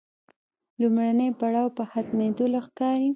لومړی پړاو پر ختمېدلو ښکاري.